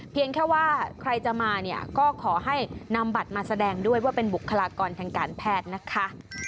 แค่ว่าใครจะมาเนี่ยก็ขอให้นำบัตรมาแสดงด้วยว่าเป็นบุคลากรทางการแพทย์นะคะ